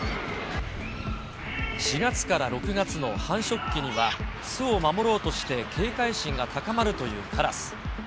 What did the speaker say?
４月から６月の繁殖期には、巣を守ろうとして警戒心が高まるというカラス。